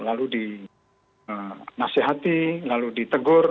lalu dinasihati lalu ditegur